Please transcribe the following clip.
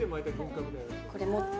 これ、持って。